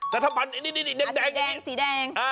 แต่ถ้าพันธุ์นี้แดงสีแดง